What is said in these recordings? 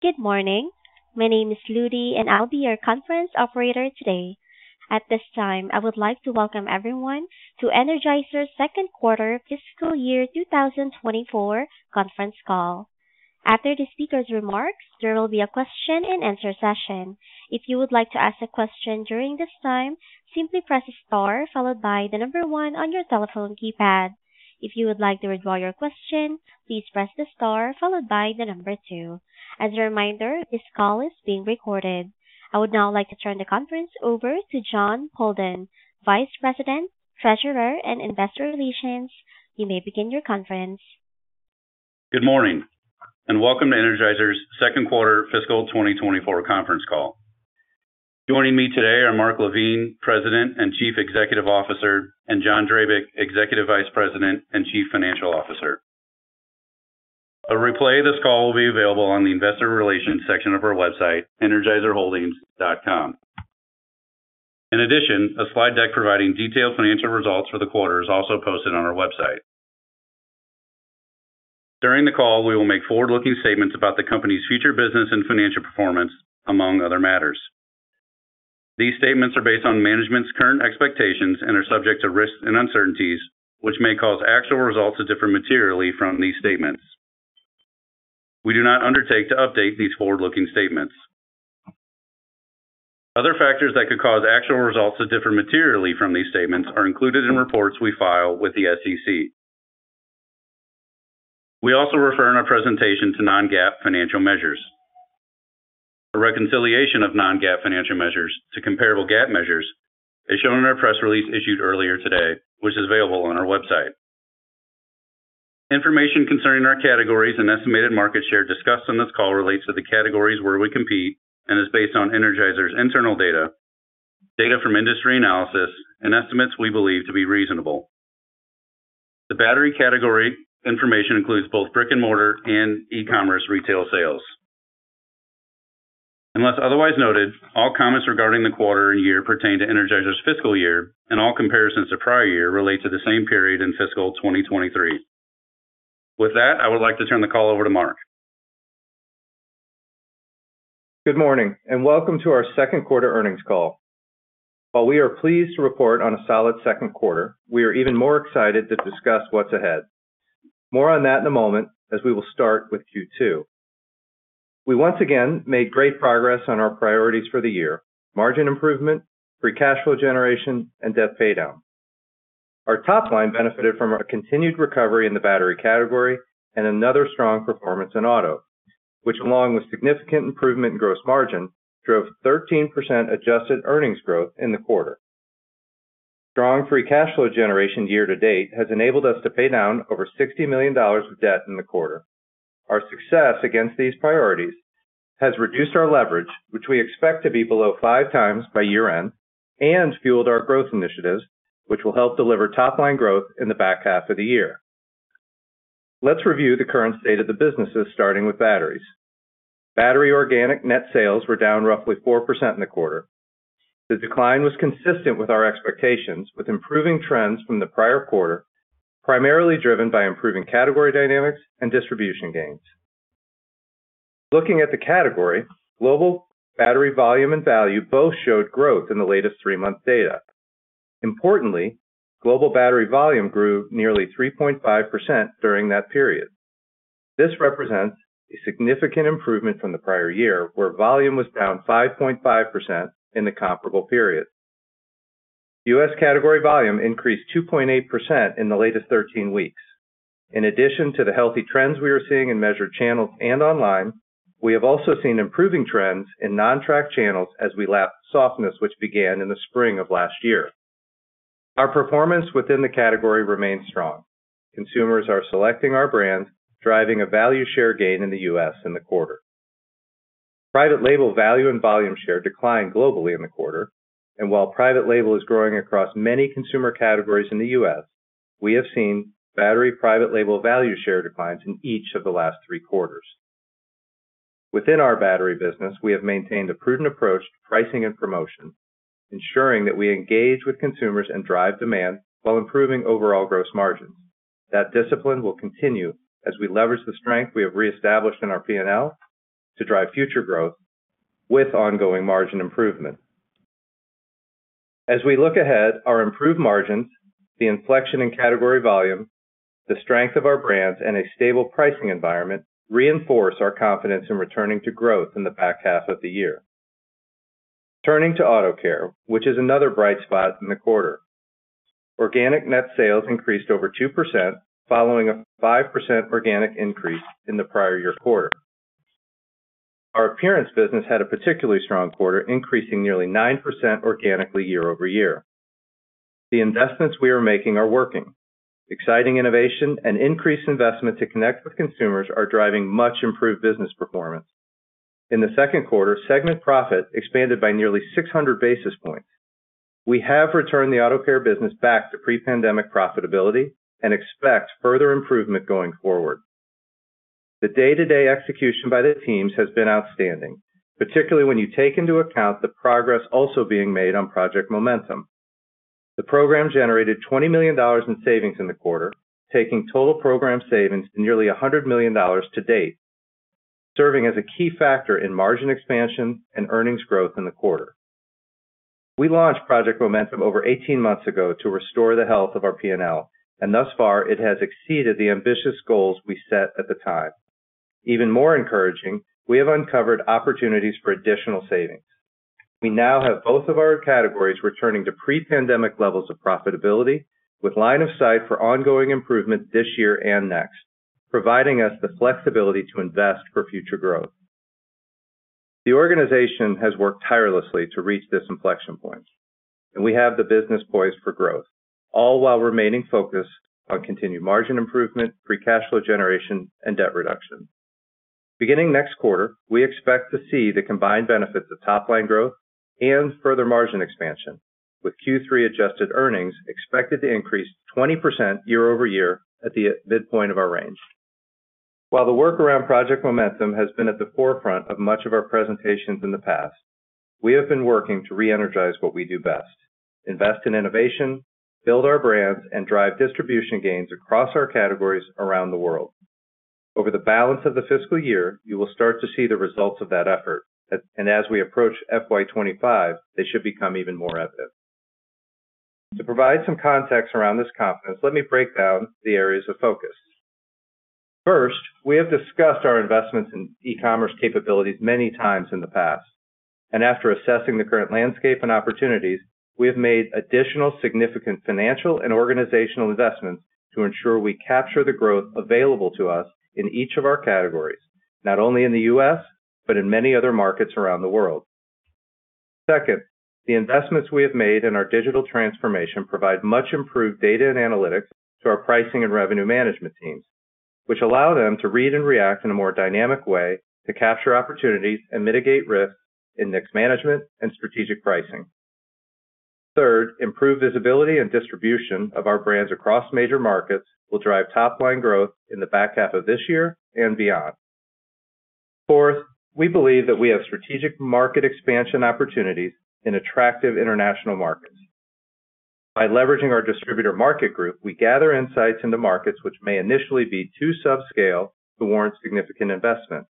Good morning. My name is Ludi and I'll be your conference operator today. At this time, I would like to welcome everyone to Energizer's second quarter fiscal year 2024 conference call. After the speaker's remarks, there will be a question-and-answer session. If you would like to ask a question during this time, simply press a star followed by the number 1 on your telephone keypad. If you would like to withdraw your question, please press the star followed by the number 2. As a reminder, this call is being recorded. I would now like to turn the conference over to Jon Poldan, Vice President, Treasurer, and Investor Relations. You may begin your conference. Good morning and welcome to Energizer's second quarter fiscal 2024 conference call. Joining me today are Mark LaVigne, President and Chief Executive Officer, and John Drabik, Executive Vice President and Chief Financial Officer. A replay of this call will be available on the Investor Relations section of our website, energizerholdings.com. In addition, a slide deck providing detailed financial results for the quarter is also posted on our website. During the call, we will make forward-looking statements about the company's future business and financial performance, among other matters. These statements are based on management's current expectations and are subject to risks and uncertainties, which may cause actual results to differ materially from these statements. We do not undertake to update these forward-looking statements. Other factors that could cause actual results to differ materially from these statements are included in reports we file with the SEC. We also refer in our presentation to non-GAAP financial measures. A reconciliation of non-GAAP financial measures to comparable GAAP measures is shown in our press release issued earlier today, which is available on our website. Information concerning our categories and estimated market share discussed in this call relates to the categories where we compete and is based on Energizer's internal data, data from industry analysis, and estimates we believe to be reasonable. The battery category information includes both brick-and-mortar and e-commerce retail sales. Unless otherwise noted, all comments regarding the quarter and year pertain to Energizer's fiscal year, and all comparisons to prior year relate to the same period in fiscal 2023. With that, I would like to turn the call over to Mark. Good morning and welcome to our second quarter earnings call. While we are pleased to report on a solid second quarter, we are even more excited to discuss what's ahead. More on that in a moment as we will start with Q2. We once again made great progress on our priorities for the year: margin improvement, free cash flow generation, and debt paydown. Our top line benefited from a continued recovery in the battery category and another strong performance in auto, which, along with significant improvement in gross margin, drove 13% adjusted earnings growth in the quarter. Strong free cash flow generation year-to-date has enabled us to pay down over $60 million of debt in the quarter. Our success against these priorities has reduced our leverage, which we expect to be below 5x by year-end, and fueled our growth initiatives, which will help deliver top line growth in the back half of the year. Let's review the current state of the businesses starting with batteries. Battery organic net sales were down roughly 4% in the quarter. The decline was consistent with our expectations, with improving trends from the prior quarter, primarily driven by improving category dynamics and distribution gains. Looking at the category, global battery volume and value both showed growth in the latest three-month data. Importantly, global battery volume grew nearly 3.5% during that period. This represents a significant improvement from the prior year, where volume was down 5.5% in the comparable period. U.S. category volume increased 2.8% in the latest 13 weeks. In addition to the healthy trends we are seeing in measured channels and online, we have also seen improving trends in non-tracked channels as we lapped softness which began in the spring of last year. Our performance within the category remains strong. Consumers are selecting our brands, driving a value share gain in the U.S. in the quarter. Private label value and volume share declined globally in the quarter, and while private label is growing across many consumer categories in the U.S., we have seen battery private label value share declines in each of the last three quarters. Within our battery business, we have maintained a prudent approach to pricing and promotion, ensuring that we engage with consumers and drive demand while improving overall gross margins. That discipline will continue as we leverage the strength we have re established in our P&L to drive future growth with ongoing margin improvement. As we look ahead, our improved margins, the inflection in category volume, the strength of our brands, and a stable pricing environment reinforce our confidence in returning to growth in the back half of the year. Turning to auto care, which is another bright spot in the quarter. Organic net sales increased over 2% following a 5% organic increase in the prior year quarter. Our appearance business had a particularly strong quarter, increasing nearly 9% organically year-over-year. The investments we are making are working. Exciting innovation and increased investment to connect with consumers are driving much-improved business performance. In the second quarter, segment profit expanded by nearly 600 basis points. We have returned the auto care business back to pre-pandemic profitability and expect further improvement going forward. The day-to-day execution by the teams has been outstanding, particularly when you take into account the progress also being made on Project Momentum. The program generated $20 million in savings in the quarter, taking total program savings to nearly $100 million to date, serving as a key factor in margin expansion and earnings growth in the quarter. We launched Project Momentum over 18 months ago to restore the health of our P&L, and thus far it has exceeded the ambitious goals we set at the time. Even more encouraging, we have uncovered opportunities for additional savings. We now have both of our categories returning to pre-pandemic levels of profitability, with line of sight for ongoing improvement this year and next, providing us the flexibility to invest for future growth. The organization has worked tirelessly to reach this inflection point, and we have the business poised for growth, all while remaining focused on continued margin improvement, free cash flow generation, and debt reduction. Beginning next quarter, we expect to see the combined benefits of top line growth and further margin expansion, with Q3 adjusted earnings expected to increase 20% year-over-year at the midpoint of our range. While the work around Project Momentum has been at the forefront of much of our presentations in the past, we have been working to re-energize what we do best: invest in innovation, build our brands, and drive distribution gains across our categories around the world. Over the balance of the fiscal year, you will start to see the results of that effort, and as we approach FY2025, they should become even more evident. To provide some context around this confidence, let me break down the areas of focus. First, we have discussed our investments in e-commerce capabilities many times in the past, and after assessing the current landscape and opportunities, we have made additional significant financial and organizational investments to ensure we capture the growth available to us in each of our categories, not only in the U.S. but in many other markets around the world. Second, the investments we have made in our digital transformation provide much-improved data and analytics to our pricing and revenue management teams, which allow them to read and react in a more dynamic way to capture opportunities and mitigate risks in mix management and strategic pricing. Third, improved visibility and distribution of our brands across major markets will drive top line growth in the back half of this year and beyond. Fourth, we believe that we have strategic market expansion opportunities in attractive international markets. By leveraging our distributor market group, we gather insights into markets which may initially be too subscale to warrant significant investment.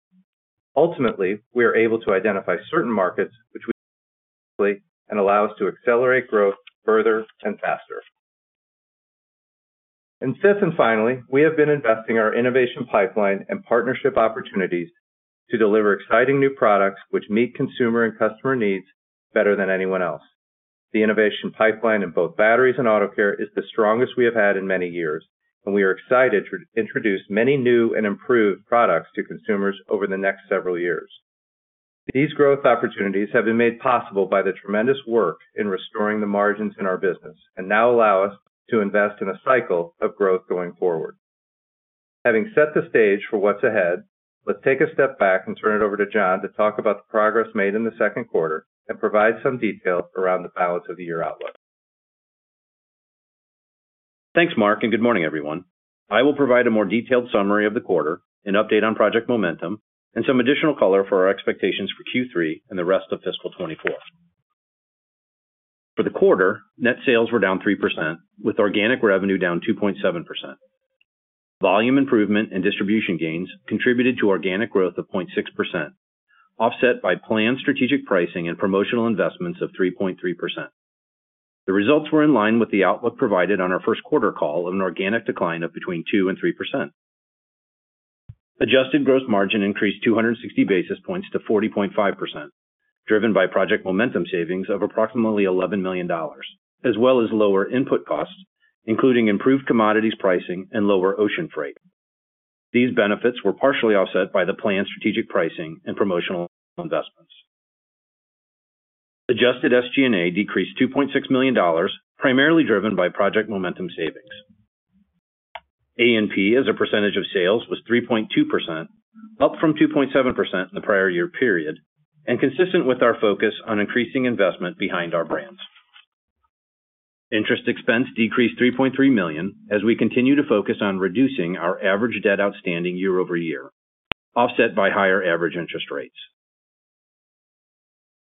Ultimately, we are able to identify certain markets which we can access quickly and allow us to accelerate growth further and faster. And fifth and finally, we have been investing our innovation pipeline and partnership opportunities to deliver exciting new products which meet consumer and customer needs better than anyone else. The innovation pipeline in both batteries and auto care is the strongest we have had in many years, and we are excited to introduce many new and improved products to consumers over the next several years. These growth opportunities have been made possible by the tremendous work in restoring the margins in our business and now allow us to invest in a cycle of growth going forward. Having set the stage for what's ahead, let's take a step back and turn it over to John to talk about the progress made in the second quarter and provide some detail around the balance of the year outlook. Thanks, Mark, and good morning, everyone. I will provide a more detailed summary of the quarter, an update on Project Momentum, and some additional color for our expectations for Q3 and the rest of fiscal 2024. For the quarter, net sales were down 3%, with organic revenue down 2.7%. Volume improvement and distribution gains contributed to organic growth of 0.6%, offset by planned strategic pricing and promotional investments of 3.3%. The results were in line with the outlook provided on our first quarter call of an organic decline of between 2% and 3%. Adjusted gross margin increased 260 basis points to 40.5%, driven by Project Momentum savings of approximately $11 million, as well as lower input costs, including improved commodities pricing and lower ocean freight. These benefits were partially offset by the planned strategic pricing and promotional investments. Adjusted SG&A decreased $2.6 million, primarily driven by Project Momentum savings. A&P, as a percentage of sales, was 3.2%, up from 2.7% in the prior year period, and consistent with our focus on increasing investment behind our brands. Interest expense decreased $3.3 million as we continue to focus on reducing our average debt outstanding year-over-year, offset by higher average interest rates.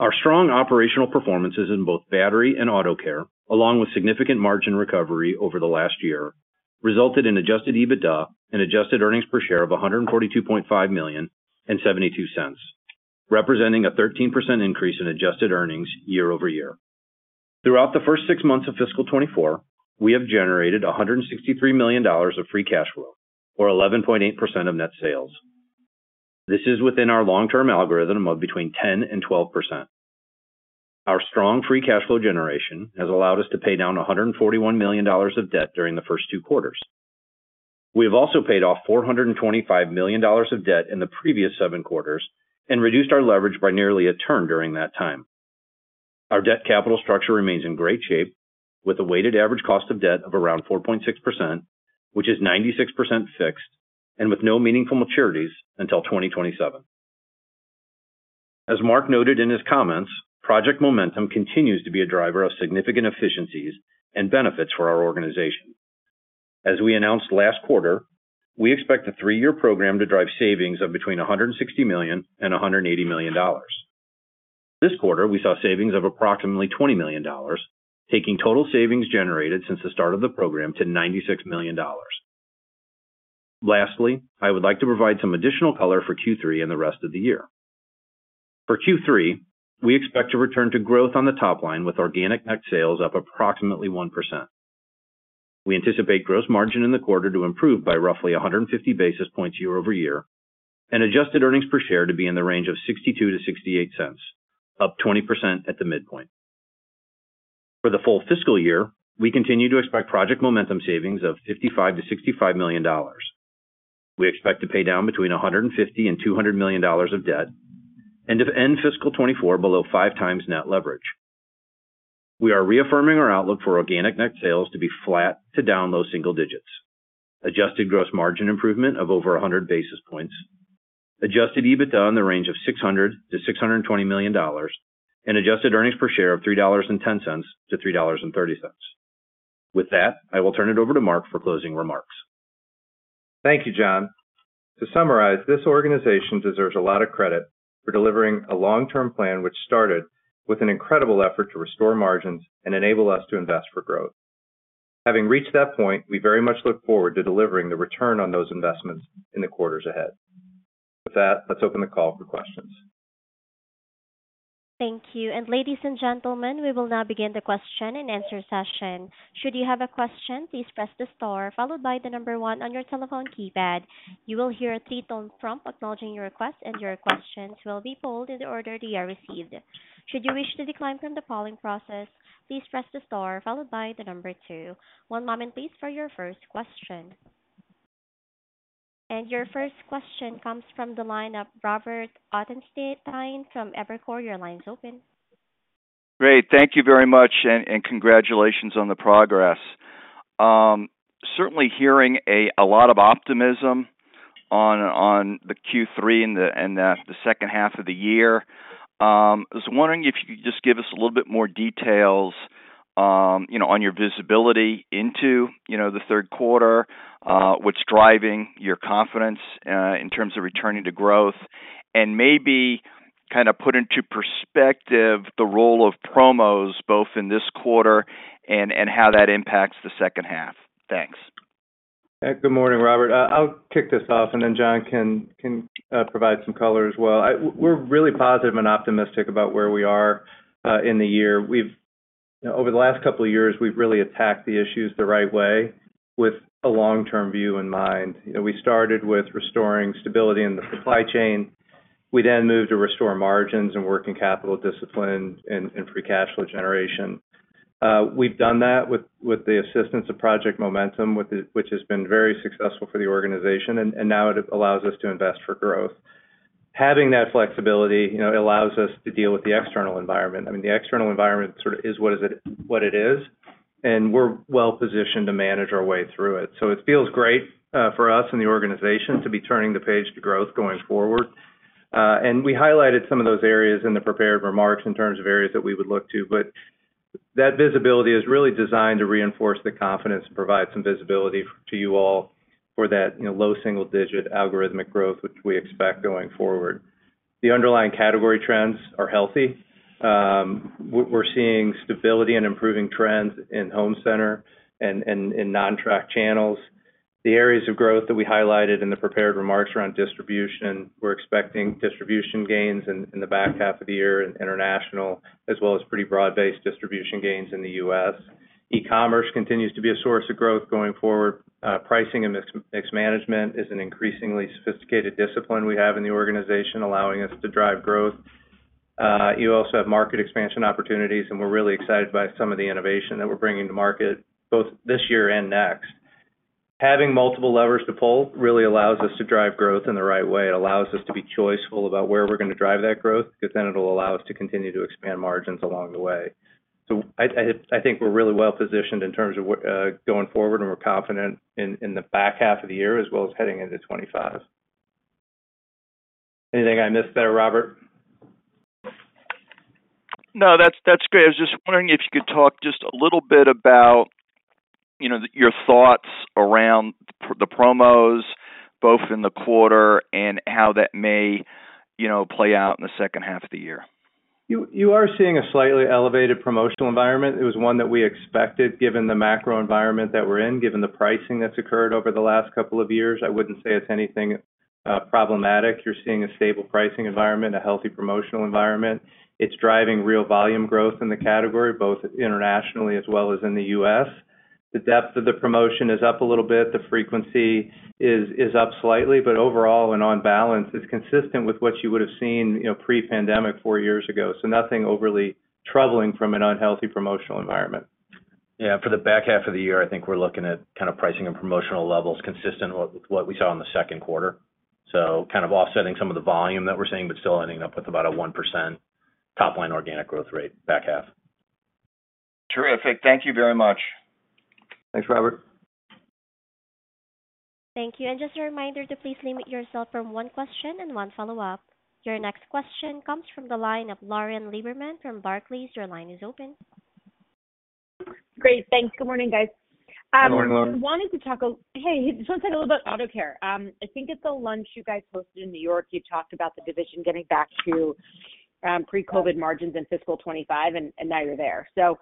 Our strong operational performances in both battery and auto care, along with significant margin recovery over the last year, resulted in adjusted EBITDA and adjusted earnings per share of $142.5 million $0.72, representing a 13% increase in adjusted earnings year-over-year. Throughout the first six months of fiscal 2024, we have generated $163 million of free cash flow, or 11.8% of net sales. This is within our long-term algorithm of between 10% and 12%. Our strong free cash flow generation has allowed us to pay down $141 million of debt during the first two quarters. We have also paid off $425 million of debt in the previous seven quarters and reduced our leverage by nearly a turn during that time. Our debt capital structure remains in great shape, with a weighted average cost of debt of around 4.6%, which is 96% fixed, and with no meaningful maturities until 2027. As Mark noted in his comments, Project Momentum continues to be a driver of significant efficiencies and benefits for our organization. As we announced last quarter, we expect the three-year program to drive savings of between $160 million-$180 million. This quarter, we saw savings of approximately $20 million, taking total savings generated since the start of the program to $96 million. Lastly, I would like to provide some additional color for Q3 and the rest of the year. For Q3, we expect to return to growth on the top line with organic net sales up approximately 1%. We anticipate gross margin in the quarter to improve by roughly 150 basis points year-over-year, and adjusted earnings per share to be in the range of $0.62-$0.68, up 20% at the midpoint. For the full fiscal year, we continue to expect Project Momentum savings of $55-$65 million. We expect to pay down between $150-$200 million of debt and to end fiscal 2024 below five times net leverage. We are reaffirming our outlook for organic net sales to be flat to down low single digits, adjusted gross margin improvement of over 100 basis points, adjusted EBITDA in the range of $600-$620 million, and adjusted earnings per share of $3.10-$3.30. With that, I will turn it over to Mark for closing remarks. Thank you, John. To summarize, this organization deserves a lot of credit for delivering a long-term plan which started with an incredible effort to restore margins and enable us to invest for growth. Having reached that point, we very much look forward to delivering the return on those investments in the quarters ahead. With that, let's open the call for questions. Thank you. Ladies and gentlemen, we will now begin the question and answer session. Should you have a question, please press the star followed by the number 1 on your telephone keypad. You will hear a 3-tone prompt acknowledging your request, and your questions will be polled in the order they are received. Should you wish to decline from the polling process, please press the star followed by the number 2. One moment, please, for your first question. Your first question comes from the lineup, Robert Ottenstein from Evercore. Your line's open. Great. Thank you very much, and congratulations on the progress. Certainly hearing a lot of optimism on the Q3 and the second half of the year. I was wondering if you could just give us a little bit more details on your visibility into the third quarter, what's driving your confidence in terms of returning to growth, and maybe kind of put into perspective the role of promos both in this quarter and how that impacts the second half. Thanks. Good morning, Robert. I'll kick this off, and then John can provide some color as well. We're really positive and optimistic about where we are in the year. Over the last couple of years, we've really attacked the issues the right way with a long-term view in mind. We started with restoring stability in the supply chain. We then moved to restore margins and working capital discipline and free cash flow generation. We've done that with the assistance of Project Momentum, which has been very successful for the organization, and now it allows us to invest for growth. Having that flexibility allows us to deal with the external environment. I mean, the external environment sort of is what it is, and we're well-positioned to manage our way through it. So it feels great for us and the organization to be turning the page to growth going forward. We highlighted some of those areas in the prepared remarks in terms of areas that we would look to, but that visibility is really designed to reinforce the confidence and provide some visibility to you all for that low single-digit algorithmic growth, which we expect going forward. The underlying category trends are healthy. We're seeing stability and improving trends in home center and in non-track channels. The areas of growth that we highlighted in the prepared remarks around distribution, we're expecting distribution gains in the back half of the year internationally, as well as pretty broad-based distribution gains in the U.S. e-commerce continues to be a source of growth going forward. Pricing and mixed management is an increasingly sophisticated discipline we have in the organization, allowing us to drive growth. You also have market expansion opportunities, and we're really excited by some of the innovation that we're bringing to market both this year and next. Having multiple levers to pull really allows us to drive growth in the right way. It allows us to be choiceful about where we're going to drive that growth because then it'll allow us to continue to expand margins along the way. So I think we're really well-positioned in terms of going forward, and we're confident in the back half of the year as well as heading into 2025. Anything I missed there, Robert? No, that's great. I was just wondering if you could talk just a little bit about your thoughts around the promos, both in the quarter and how that may play out in the second half of the year. You are seeing a slightly elevated promotional environment. It was one that we expected given the macro environment that we're in, given the pricing that's occurred over the last couple of years. I wouldn't say it's anything problematic. You're seeing a stable pricing environment, a healthy promotional environment. It's driving real volume growth in the category, both internationally as well as in the U.S. The depth of the promotion is up a little bit. The frequency is up slightly, but overall and on balance, it's consistent with what you would have seen pre-pandemic four years ago. So nothing overly troubling from an unhealthy promotional environment. Yeah. For the back half of the year, I think we're looking at kind of pricing and promotional levels consistent with what we saw in the second quarter. So kind of offsetting some of the volume that we're seeing but still ending up with about a 1% top line organic growth rate back half. Terrific. Thank you very much. Thanks, Robert. Thank you. Just a reminder to please limit yourself from one question and one follow-up. Your next question comes from the lineup, Lauren Lieberman from Barclays. Your line is open. Great. Thanks. Good morning, guys. Good morning, Lauren. Hey, I just want to talk a little about auto care. I think at the lunch you guys hosted in New York, you talked about the division getting back to pre-COVID margins in fiscal 2025, and now you're there. So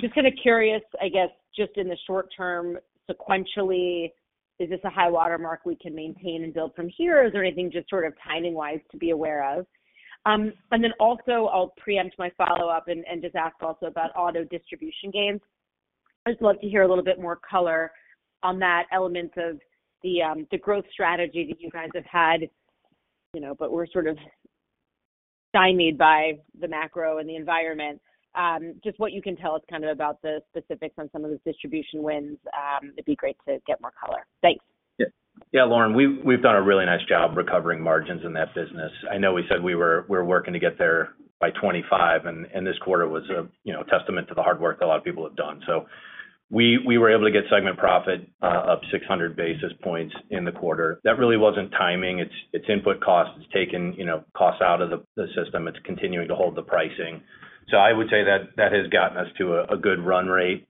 just kind of curious, I guess, just in the short term, sequentially, is this a high watermark we can maintain and build from here, or is there anything just sort of timing-wise to be aware of? And then also, I'll preempt my follow-up and just ask also about auto distribution gains. I'd love to hear a little bit more color on that element of the growth strategy that you guys have had, but we're sort of stymied by the macro and the environment. Just what you can tell us kind of about the specifics on some of the distribution wins? It'd be great to get more color. Thanks. Yeah, Lauren, we've done a really nice job recovering margins in that business. I know we said we were working to get there by 2025, and this quarter was a testament to the hard work that a lot of people have done. So we were able to get segment profit up 600 basis points in the quarter. That really wasn't timing. It's input cost. It's taken costs out of the system. It's continuing to hold the pricing. So I would say that has gotten us to a good run rate.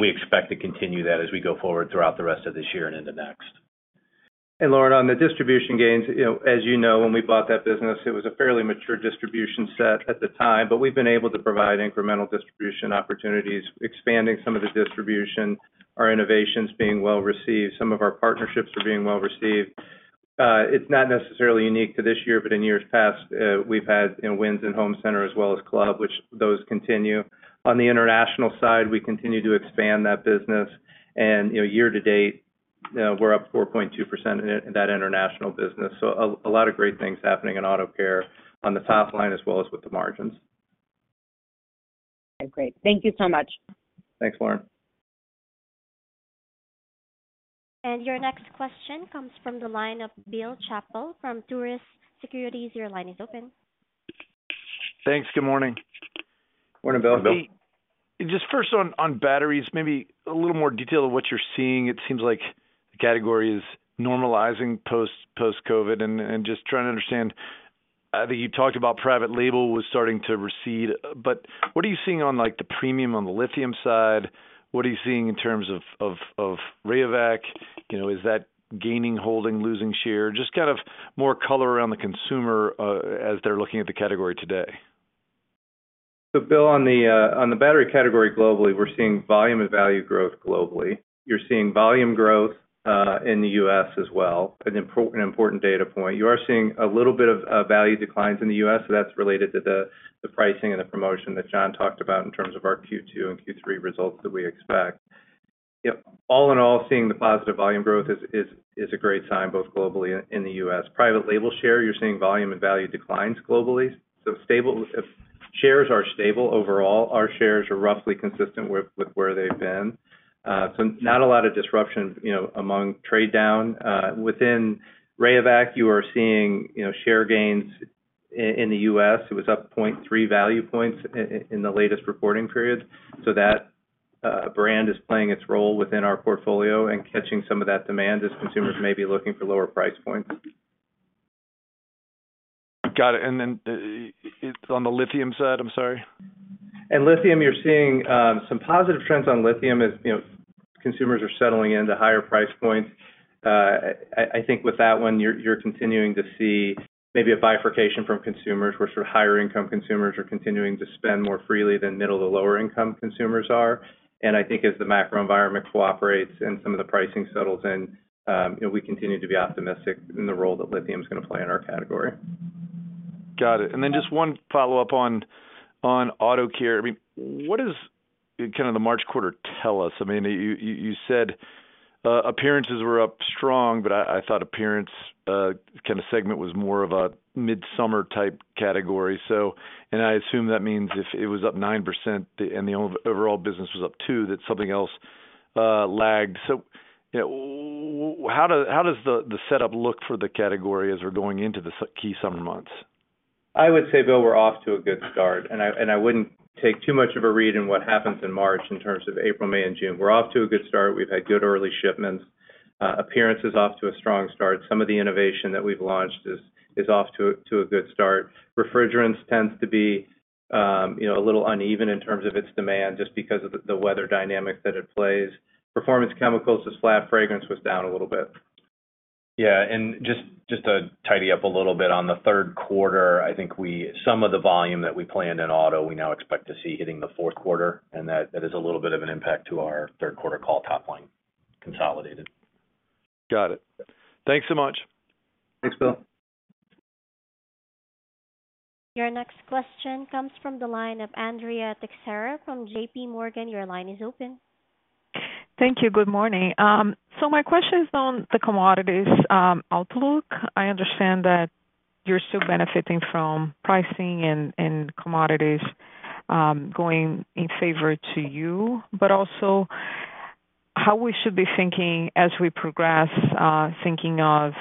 We expect to continue that as we go forward throughout the rest of this year and into next. Lauren, on the distribution gains, as you know, when we bought that business, it was a fairly mature distribution set at the time, but we've been able to provide incremental distribution opportunities, expanding some of the distribution, our innovations being well-received, some of our partnerships are being well-received. It's not necessarily unique to this year, but in years past, we've had wins in home center as well as club, which those continue. On the international side, we continue to expand that business. Year to date, we're up 4.2% in that international business. A lot of great things happening in auto care on the top line as well as with the margins. Okay. Great. Thank you so much. Thanks, Lauren. Your next question comes from the lineup, Bill Chappell from Truist Securities. Your line is open. Thanks. Good morning. Morning, Bill. Just first on batteries, maybe a little more detail of what you're seeing. It seems like the category is normalizing post-COVID and just trying to understand. I think you talked about private label was starting to recede, but what are you seeing on the premium on the lithium side? What are you seeing in terms of Rayovac? Is that gaining, holding, losing share? Just kind of more color around the consumer as they're looking at the category today. So Bill, on the battery category globally, we're seeing volume and value growth globally. You're seeing volume growth in the U.S. as well, an important data point. You are seeing a little bit of value declines in the U.S., so that's related to the pricing and the promotion that John talked about in terms of our Q2 and Q3 results that we expect. All in all, seeing the positive volume growth is a great sign both globally and in the U.S. Private label share, you're seeing volume and value declines globally. So shares are stable overall. Our shares are roughly consistent with where they've been. So not a lot of disruption among trade down. Within Rayovac, you are seeing share gains in the U.S. It was up 0.3 value points in the latest reporting period. So that brand is playing its role within our portfolio and catching some of that demand as consumers may be looking for lower price points. Got it. And then on the lithium side, I'm sorry? Lithium, you're seeing some positive trends on lithium as consumers are settling into higher price points. I think with that one, you're continuing to see maybe a bifurcation from consumers where sort of higher-income consumers are continuing to spend more freely than middle to lower-income consumers are. I think as the macro environment cooperates and some of the pricing settles in, we continue to be optimistic in the role that lithium is going to play in our category. Got it. And then just one follow-up on auto care. I mean, what does kind of the March quarter tell us? I mean, you said appearances were up strong, but I thought appearance kind of segment was more of a midsummer-type category. And I assume that means if it was up 9% and the overall business was up 2%, that something else lagged. So how does the setup look for the category as we're going into the key summer months? I would say, Bill, we're off to a good start. I wouldn't take too much of a read in what happens in March in terms of April, May, and June. We're off to a good start. We've had good early shipments. Appearance is off to a strong start. Some of the innovation that we've launched is off to a good start. Refrigerants tends to be a little uneven in terms of its demand just because of the weather dynamics that it plays. Performance Chemicals is flat. Fragrance was down a little bit. Yeah. And just to tidy up a little bit on the third quarter, I think some of the volume that we planned in auto, we now expect to see hitting the fourth quarter, and that is a little bit of an impact to our third-quarter call top line consolidated. Got it. Thanks so much. Thanks, Bill. Your next question comes from the lineup, Andrea Teixeira from J.P. Morgan. Your line is open. Thank you. Good morning. So my question is on the commodities outlook. I understand that you're still benefiting from pricing and commodities going in favor to you, but also how we should be thinking as we progress, thinking of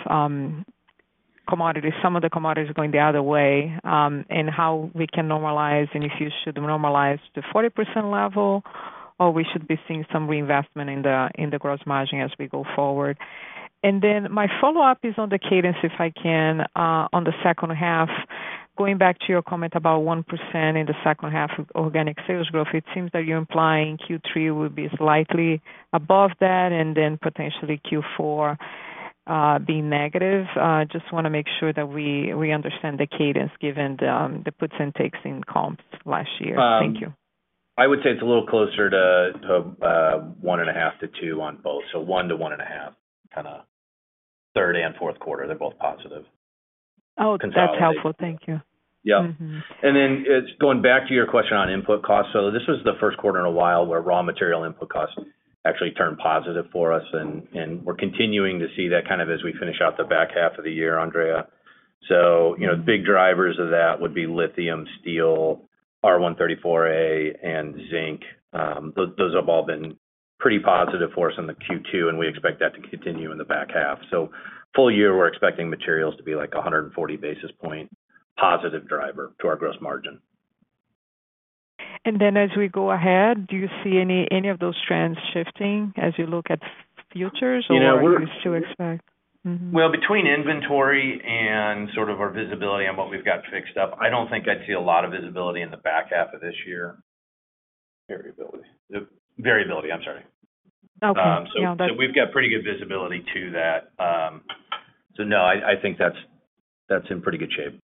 commodities, some of the commodities going the other way, and how we can normalize and if you should normalize to 40% level, or we should be seeing some reinvestment in the gross margin as we go forward. And then my follow-up is on the cadence, if I can, on the second half. Going back to your comment about 1% in the second half of organic sales growth, it seems that you're implying Q3 would be slightly above that and then potentially Q4 being negative. Just want to make sure that we understand the cadence given the puts and takes in comps last year. Thank you. I would say it's a little closer to 1.5-2 on both. So 1-1.5, kind of third and fourth quarter. They're both positive. Oh, that's helpful. Thank you. Yeah. And then going back to your question on input costs, so this was the first quarter in a while where raw material input costs actually turned positive for us, and we're continuing to see that kind of as we finish out the back half of the year, Andrea. So the big drivers of that would be lithium, steel, R-134a, and zinc. Those have all been pretty positive for us in the Q2, and we expect that to continue in the back half. So full year, we're expecting materials to be like 140 basis point positive driver to our gross margin. And then as we go ahead, do you see any of those trends shifting as you look at futures, or what are you still expecting? Well, between inventory and sort of our visibility on what we've got fixed up, I don't think I'd see a lot of visibility in the back half of this year. Variability. Variability. I'm sorry. Okay. Yeah. That's. So we've got pretty good visibility to that. So no, I think that's in pretty good shape.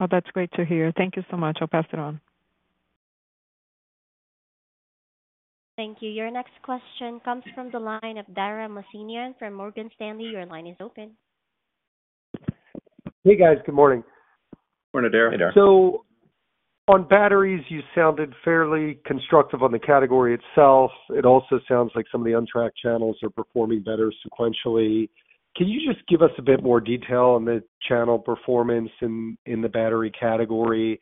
Oh, that's great to hear. Thank you so much. I'll pass it on. Thank you. Your next question comes from the lineup, Dara Mohsenian from Morgan Stanley. Your line is open. Hey, guys. Good morning. Morning, Dara. Hey, Dara. On batteries, you sounded fairly constructive on the category itself. It also sounds like some of the untracked channels are performing better sequentially. Can you just give us a bit more detail on the channel performance in the battery category,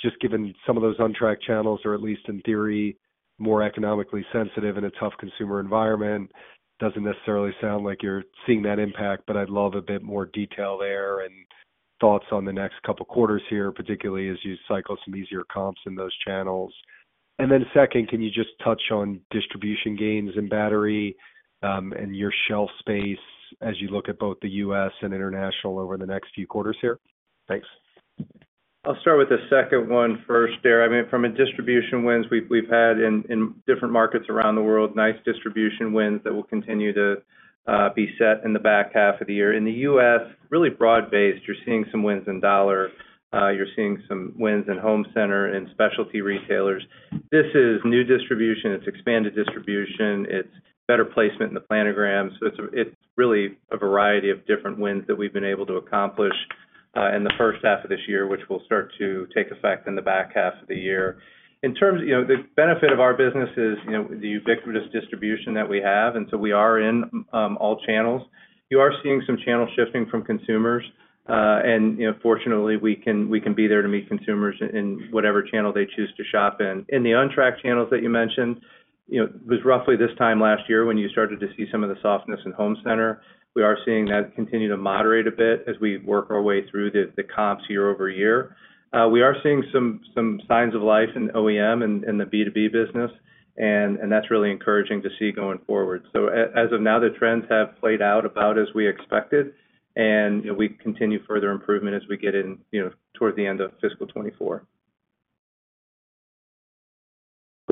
just given some of those untracked channels are, at least in theory, more economically sensitive in a tough consumer environment? Doesn't necessarily sound like you're seeing that impact, but I'd love a bit more detail there and thoughts on the next couple of quarters here, particularly as you cycle some easier comps in those channels. And then second, can you just touch on distribution gains in battery and your shelf space as you look at both the U.S. and international over the next few quarters here? Thanks. I'll start with the second one first, Dara. I mean, from the distribution wins we've had in different markets around the world, nice distribution wins that will continue to be set in the back half of the year. In the U.S., really broad-based, you're seeing some wins in dollar. You're seeing some wins in home center and specialty retailers. This is new distribution. It's expanded distribution. It's better placement in the planogram. So it's really a variety of different wins that we've been able to accomplish in the first half of this year, which will start to take effect in the back half of the year. In terms of the benefit of our business is the ubiquitous distribution that we have, and so we are in all channels. You are seeing some channel shifting from consumers, and fortunately, we can be there to meet consumers in whatever channel they choose to shop in. In the untracked channels that you mentioned, it was roughly this time last year when you started to see some of the softness in home center. We are seeing that continue to moderate a bit as we work our way through the comps year over year. We are seeing some signs of life in OEM and the B2B business, and that's really encouraging to see going forward. So as of now, the trends have played out about as we expected, and we continue further improvement as we get in toward the end of fiscal 2024.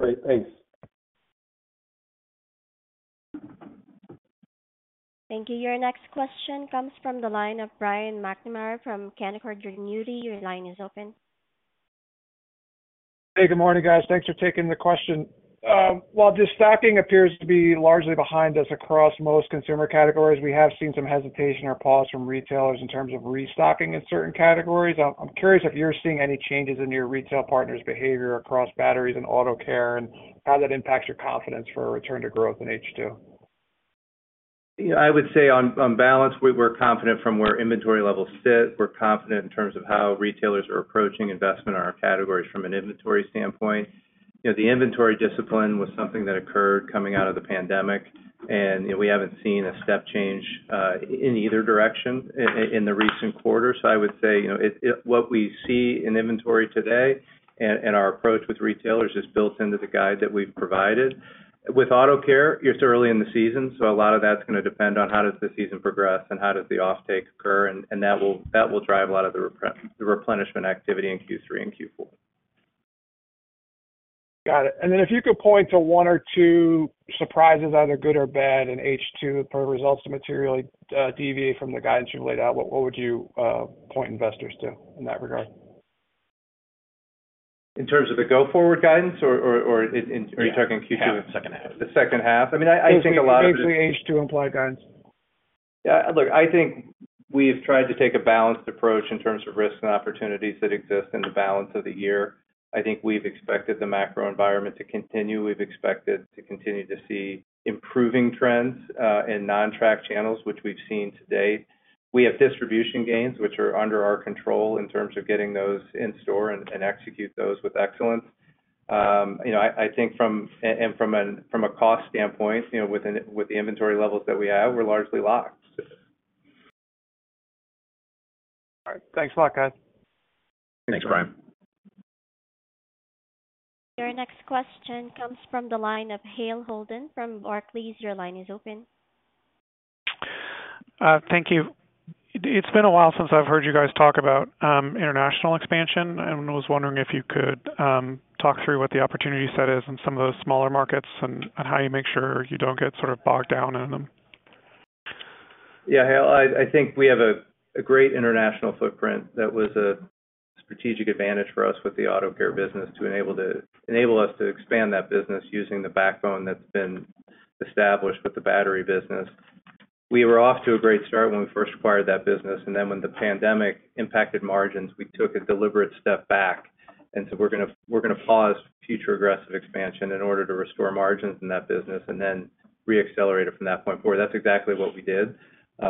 Great. Thanks. Thank you. Your next question comes from the lineup, Brian McNamara from Canaccord Genuity. Your line is open. Hey, good morning, guys. Thanks for taking the question. While destocking appears to be largely behind us across most consumer categories, we have seen some hesitation or pause from retailers in terms of restocking in certain categories. I'm curious if you're seeing any changes in your retail partners' behavior across batteries and auto care and how that impacts your confidence for a return to growth in H2. Yeah. I would say on balance, we're confident from where inventory levels sit. We're confident in terms of how retailers are approaching investment in our categories from an inventory standpoint. The inventory discipline was something that occurred coming out of the pandemic, and we haven't seen a step change in either direction in the recent quarter. So I would say what we see in inventory today and our approach with retailers is built into the guide that we've provided. With auto care, it's early in the season, so a lot of that's going to depend on how does the season progress and how does the offtake occur, and that will drive a lot of the replenishment activity in Q3 and Q4. Got it. And then if you could point to one or two surprises, either good or bad, in H2 per results to materially deviate from the guidance you've laid out, what would you point investors to in that regard? In terms of the go-forward guidance, or are you talking Q2? Yeah. Second half. The second half? I mean, I think a lot of it is. Basically, H2 implied guidance. Yeah. Look, I think we've tried to take a balanced approach in terms of risks and opportunities that exist in the balance of the year. I think we've expected the macro environment to continue. We've expected to continue to see improving trends in non-track channels, which we've seen today. We have distribution gains, which are under our control in terms of getting those in store and execute those with excellence. I think from a cost standpoint, with the inventory levels that we have, we're largely locked. All right. Thanks a lot, guys. Thanks, Brian. Your next question comes from the lineup, Hale Holden from Barclays. Your line is open. Thank you. It's been a while since I've heard you guys talk about international expansion, and I was wondering if you could talk through what the opportunity set is in some of those smaller markets and how you make sure you don't get sort of bogged down in them. Yeah, Hale. I think we have a great international footprint that was a strategic advantage for us with the auto care business to enable us to expand that business using the backbone that's been established with the battery business. We were off to a great start when we first acquired that business, and then when the pandemic impacted margins, we took a deliberate step back and said, "We're going to pause future aggressive expansion in order to restore margins in that business and then reaccelerate it from that point forward." That's exactly what we did.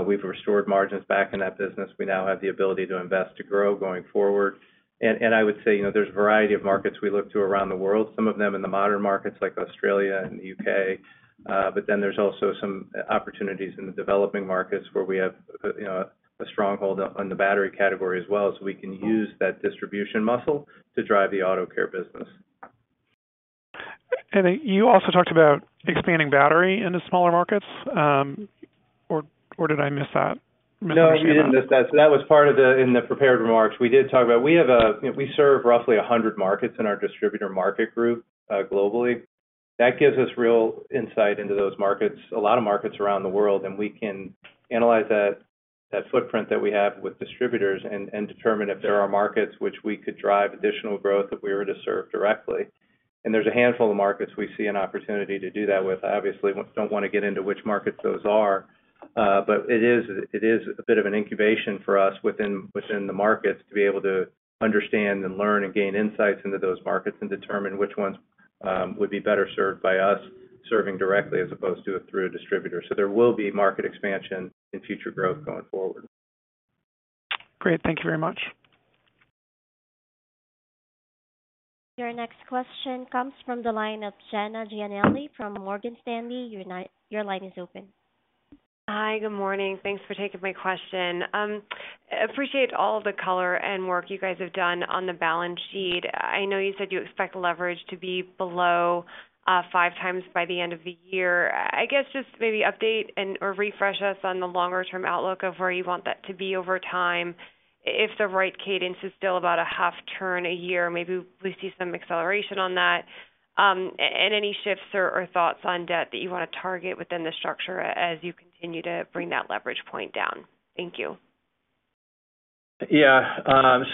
We've restored margins back in that business. We now have the ability to invest to grow going forward. I would say there's a variety of markets we look to around the world, some of them in the modern markets like Australia and the U.K., but then there's also some opportunities in the developing markets where we have a stronghold on the battery category as well. So we can use that distribution muscle to drive the auto care business. You also talked about expanding battery into smaller markets, or did I miss that misunderstanding? No, you didn't miss that. So that was part of the in the prepared remarks, we did talk about we serve roughly 100 markets in our distributor market group globally. That gives us real insight into those markets, a lot of markets around the world, and we can analyze that footprint that we have with distributors and determine if there are markets which we could drive additional growth if we were to serve directly. And there's a handful of markets we see an opportunity to do that with. I obviously don't want to get into which markets those are, but it is a bit of an incubation for us within the markets to be able to understand and learn and gain insights into those markets and determine which ones would be better served by us serving directly as opposed to through a distributor. There will be market expansion and future growth going forward. Great. Thank you very much. Your next question comes from the lineup, Jenna Giannelli from Morgan Stanley. Your line is open. Hi. Good morning. Thanks for taking my question. Appreciate all the color and work you guys have done on the balance sheet. I know you said you expect leverage to be below 5 times by the end of the year. I guess just maybe update or refresh us on the longer-term outlook of where you want that to be over time. If the right cadence is still about a 0.5 turn a year, maybe we see some acceleration on that. And any shifts or thoughts on debt that you want to target within the structure as you continue to bring that leverage point down? Thank you. Yeah.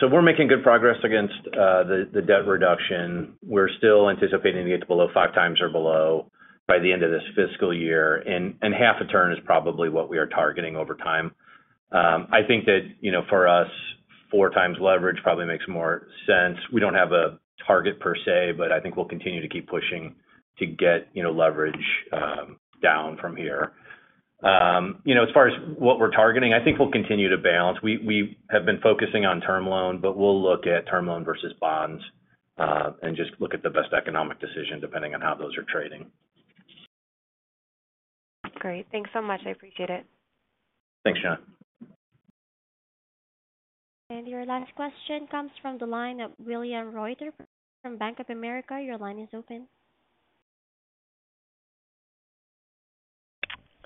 So we're making good progress against the debt reduction. We're still anticipating to get to below 5x or below by the end of this fiscal year, and 0.5 turn is probably what we are targeting over time. I think that for us, 4x leverage probably makes more sense. We don't have a target per se, but I think we'll continue to keep pushing to get leverage down from here. As far as what we're targeting, I think we'll continue to balance. We have been focusing on term loan, but we'll look at term loan versus bonds and just look at the best economic decision depending on how those are trading. Great. Thanks so much. I appreciate it. Thanks, Jenna. Your last question comes from the lineup, William Reuter from Bank of America. Your line is open.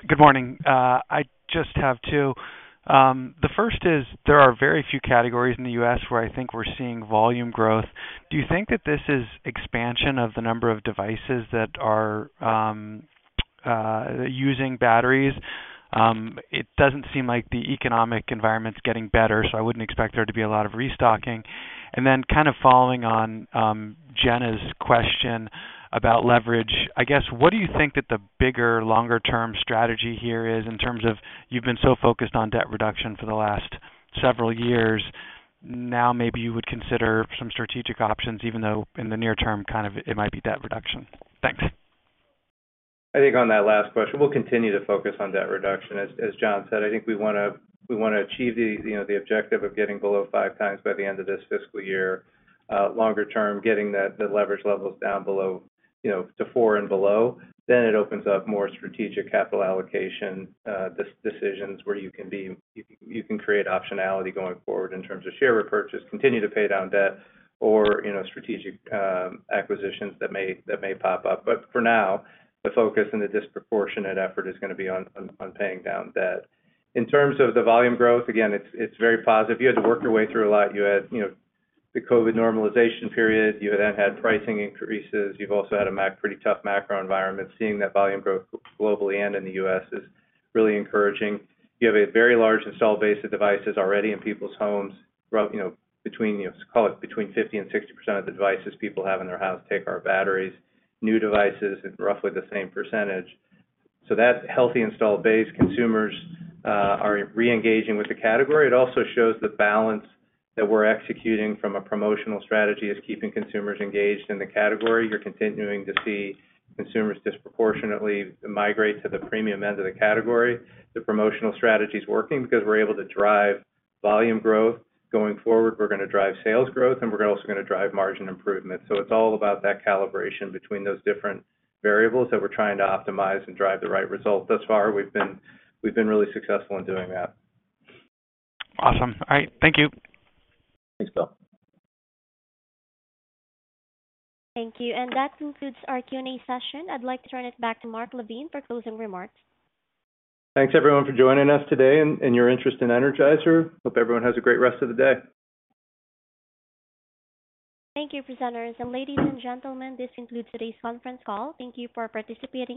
Good morning. I just have two. The first is there are very few categories in the U.S. where I think we're seeing volume growth. Do you think that this is expansion of the number of devices that are using batteries? It doesn't seem like the economic environment's getting better, so I wouldn't expect there to be a lot of restocking. And then kind of following on Jenna's question about leverage, I guess, what do you think that the bigger, longer-term strategy here is in terms of you've been so focused on debt reduction for the last several years. Now, maybe you would consider some strategic options, even though in the near term, kind of it might be debt reduction. Thanks. I think on that last question, we'll continue to focus on debt reduction. As John said, I think we want to achieve the objective of getting below 5x by the end of this fiscal year. Longer term, getting the leverage levels down to 4 and below, then it opens up more strategic capital allocation decisions where you can create optionality going forward in terms of share repurchase, continue to pay down debt, or strategic acquisitions that may pop up. But for now, the focus and the disproportionate effort is going to be on paying down debt. In terms of the volume growth, again, it's very positive. You had to work your way through a lot. You had the COVID normalization period. You then had pricing increases. You've also had a pretty tough macro environment. Seeing that volume growth globally and in the U.S. is really encouraging. You have a very large installed base of devices already in people's homes, between, call it, between 50%-60% of the devices people have in their house take our batteries, new devices, and roughly the same percentage. So that healthy installed base, consumers are reengaging with the category. It also shows the balance that we're executing from a promotional strategy is keeping consumers engaged in the category. You're continuing to see consumers disproportionately migrate to the premium end of the category. The promotional strategy's working because we're able to drive volume growth. Going forward, we're going to drive sales growth, and we're also going to drive margin improvement. So it's all about that calibration between those different variables that we're trying to optimize and drive the right result. Thus far, we've been really successful in doing that. Awesome. All right. Thank you. Thanks, Will. Thank you. That includes our Q&A session. I'd like to turn it back to Mark LaVigne for closing remarks. Thanks, everyone, for joining us today and your interest in Energizer. Hope everyone has a great rest of the day. Thank you, presenters. Ladies and gentlemen, this concludes today's conference call. Thank you for participating.